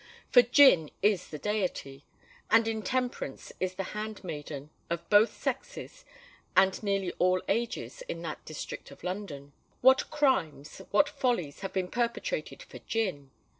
For GIN is the deity, and INTEMPERANCE is the hand maiden, of both sexes and nearly all ages in that district of London. What crimes, what follies have been perpetrated for Gin!